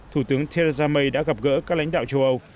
thủ tướng theresa may đã gặp gỡ các lãnh đạo châu âu